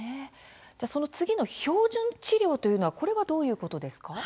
次の標準治療というのはこれはどういうことですか。